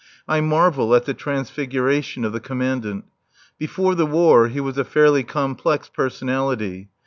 I marvel at the transfiguration of the Commandant. Before the War he was a fairly complex personality.